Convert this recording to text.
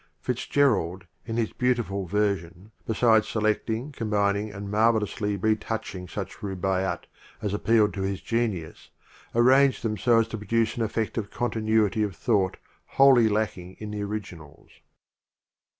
FitzGerald in his beautiful version, besides sele cling, combining and marvelously retouching such rubaiy at as appealed to his genius, arranged them so as to produce an effecl of continuity of thought wholly lacking in the originals.